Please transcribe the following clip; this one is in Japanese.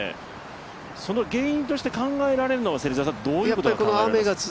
その原因として考えられるのはどういうことが考えられますか？